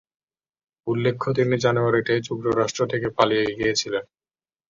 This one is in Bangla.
উল্লেখ্য তিনি জানুয়ারিতে যুক্তরাষ্ট্র থেকে পালিয়ে গিয়েছিলেন।